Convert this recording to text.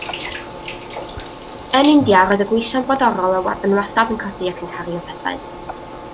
Yn India roedd y gweision brodorol yn wastad yn codi ac yn cario pethau.